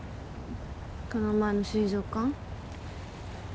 この前の水族館？